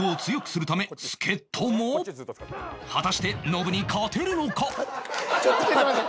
果たしてノブに勝てるのか？